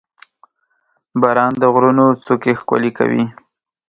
• باران د غرونو څوکې ښکلې کوي.